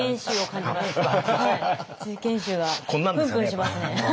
瑞賢臭がプンプンしますね。